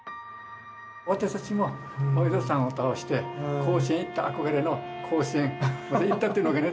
私たちも大淀さんを倒して甲子園行った憧れの甲子園まで行ったっていうのがね